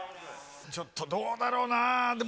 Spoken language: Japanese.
ちょっとどうだろうなぁ。